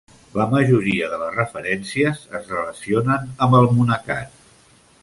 La majoria de les referències es relacionen amb el monacat.